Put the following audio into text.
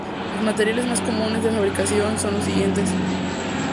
Los materiales más comunes de fabricación son los siguientes.